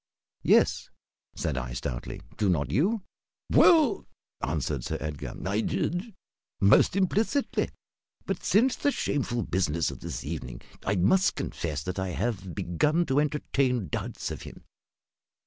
"Yes," said I, stoutly. "Do not you?" "Well," answered Sir Edgar, "I did, most implicitly. But since the shameful business of this evening I must confess that I have begun to entertain doubts of him.